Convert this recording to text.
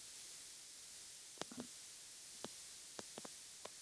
Al oeste hay una gran depresiones, el valle de Fergana.